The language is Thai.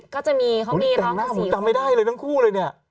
ก็จะมีเขามีร้องสีของอุ๊ยเต็มมากผมจำไม่ได้เลยทั้งคู่เลยเนี่ย